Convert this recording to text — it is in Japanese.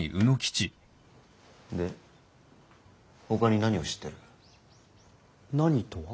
でほかに何を知ってる？何とは？